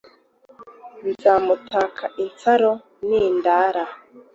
Nzamutuka insaro n'indira